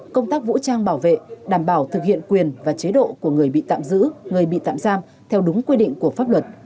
công tác vũ trang bảo vệ đảm bảo thực hiện quyền và chế độ của người bị tạm giữ người bị tạm giam theo đúng quy định của pháp luật